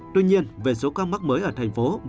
tuy nhiên về số ca mắc mới ở tp hcm